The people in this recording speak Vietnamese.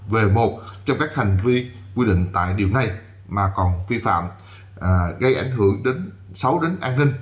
về một trong các hành vi quy định tại điều này mà còn vi phạm gây ảnh hưởng đến xấu đến an ninh